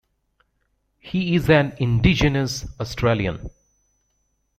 He is an Indigenous Australian.